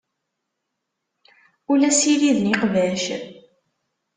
Ur la ssiriden iqbac.